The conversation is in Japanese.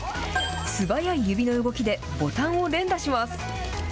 素早い指の動きでボタンを連打します。